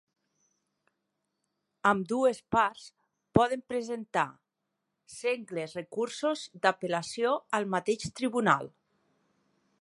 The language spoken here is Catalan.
Ambdues parts poden presentar sengles recursos d’apel·lació al mateix tribunal.